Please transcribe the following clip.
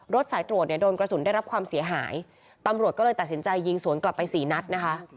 สายตรวจเนี่ยโดนกระสุนได้รับความเสียหายตำรวจก็เลยตัดสินใจยิงสวนกลับไปสี่นัดนะคะ